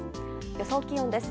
予想気温です。